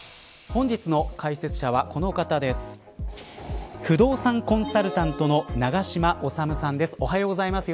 本日の解説者はこのお方です。